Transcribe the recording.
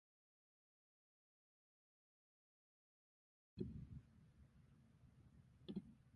It was directed by Hannah Lux Davis.